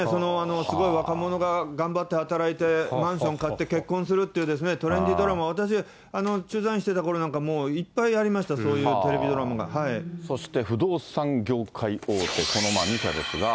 すごい若者が頑張って働いて、マンション買って結婚するっていうトレンディードラマ、私、駐在員していたころなんか、もういっぱいありました、そういうテそして不動産業界大手、この２社ですが。